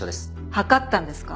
測ったんですか？